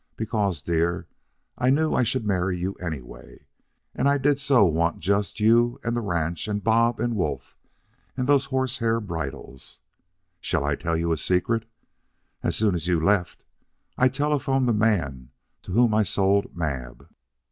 Because, dear, I knew I should marry you anyway, and I did so want just you and the ranch and Bob and Wolf and those horse hair bridles. Shall I tell you a secret? As soon as you left, I telephoned the man to whom I sold Mab."